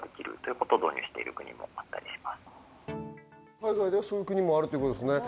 海外ではそういう国もあるということですね。